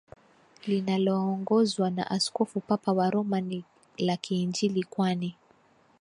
linaloongozwa na Askofu Papa wa Roma ni la Kiinjili kwani